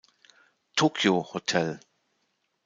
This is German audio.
Tokyo Hotel